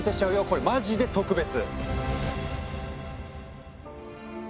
これマジで特別！